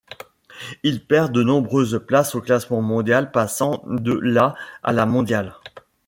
Il perd de nombreuses places au classement mondial, passant de la à la mondiale.